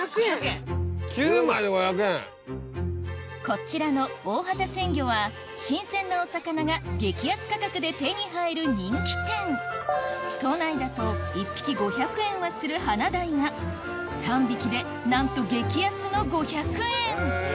こちらの大畑鮮魚は新鮮なお魚が激安価格で手に入る人気店都内だと１匹５００円はする花鯛が３匹でなんと激安の５００円